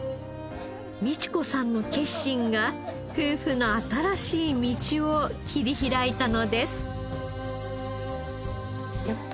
美智子さんの決心が夫婦の新しい道を切り開いたのです。